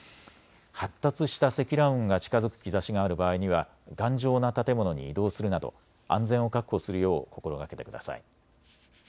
発達した積乱雲が近づく兆しがある場合には頑丈な建物に移動するなど安全を確保するよう心がけてください。